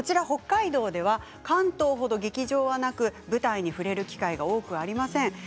北海道では関東ほど劇場はなく舞台に触れる機会が多くありません。